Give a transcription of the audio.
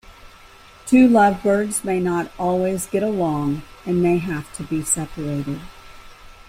Two lovebirds may not always get along, and may have to be separated.